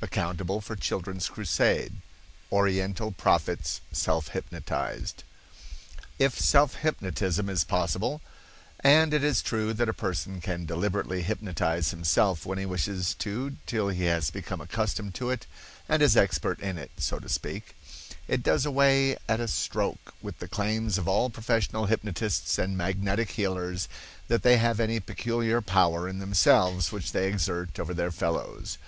—Accountable for Children's Crusade.—Oriental Prophets Self Hypnotized. If self hypnotism is possible (and it is true that a person can deliberately hypnotize himself when he wishes to till he has become accustomed to it and is expert in it, so to speak), it does away at a stroke with the claims of all professional hypnotists and magnetic healers that they have any peculiar power in themselves which they exert over their fellows.